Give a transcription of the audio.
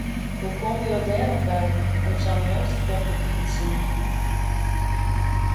Hoe komme jo der no by om sa'n meunstertocht te fytsen?